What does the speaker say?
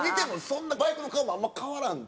そんなバイクの顔もあんま変わらん。